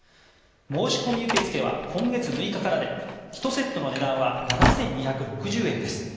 申し込み受け付けは今月６日からで１セットの値段は７２６０円です。